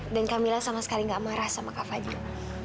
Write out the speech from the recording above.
dan kak mila sama sekali gak marah sama kak fadhil